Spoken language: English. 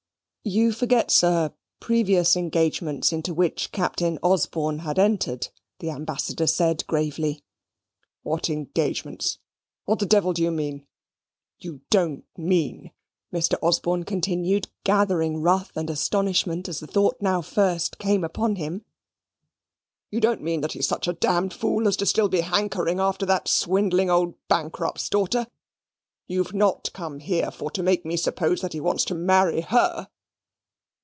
"You forget, sir, previous engagements into which Captain Osborne had entered," the ambassador said, gravely. "What engagements? What the devil do you mean? You don't mean," Mr. Osborne continued, gathering wrath and astonishment as the thought now first came upon him; "you don't mean that he's such a d fool as to be still hankering after that swindling old bankrupt's daughter? You've not come here for to make me suppose that he wants to marry HER?